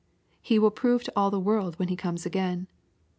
He will prove to all the world when He comes again.